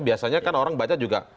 biasanya kan orang baca juga